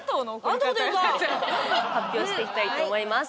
発表していきたいと思います。